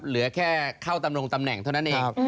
เหลือแค่เข้าตำรงตำแหน่งเท่านั้นเอง